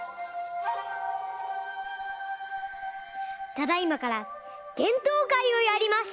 ただいまからげんとうかいをやります。